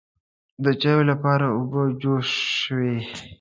د چایو لپاره اوبه جوش شوې.